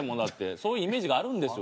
そういうイメージがあるんですよ。